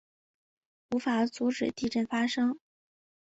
无法阻止地震发生